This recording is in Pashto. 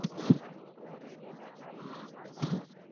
ازادي راډیو د د ښځو حقونه په اړه د پېښو رپوټونه ورکړي.